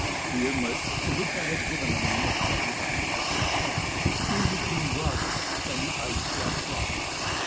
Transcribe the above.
The inlet (to which I had given the name of Cameron, after a friend), soon became broader and the ice less rough.